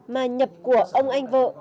mà nhập của ông anh vợ